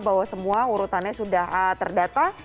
bahwa semua urutannya sudah terdata